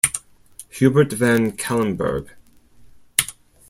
Hubert Van Calenbergh.